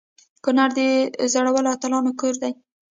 کنړ د زړورو اتلانو کور دی.